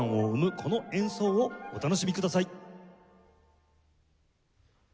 この演奏をお楽しみください！